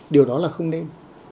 điều đó là không nên